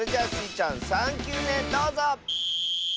ちゃん３きゅうめどうぞ！